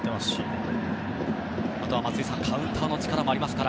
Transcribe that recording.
あとは松井さんカウンターの力もありますね